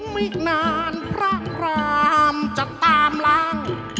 ไม่นานพระพรามจะตามล่าง